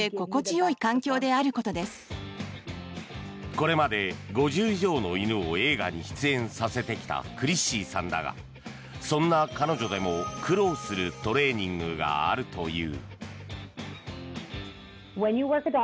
これまで５０以上の犬を映画に出演させてきたクリッシーさんだがそんな彼女でも苦労するトレーニングがあるという。